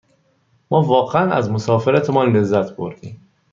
ما واقعاً از مسافرتمان لذت بردیم.